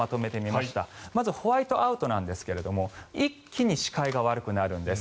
まずホワイトアウトですが一気に視界が悪くなるんです。